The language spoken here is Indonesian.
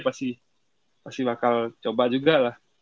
pasti bakal coba juga lah